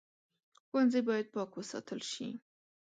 ښوونځی باید پاک وساتل شي